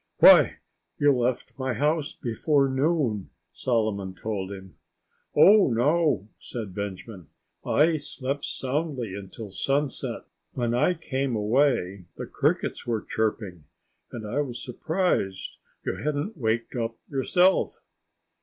"Why—you left my house before noon," Solomon told him. "Oh, no!" said Benjamin. "I slept soundly until sunset. When I came away the crickets were chirping. And I was surprised that you hadn't waked up yourself."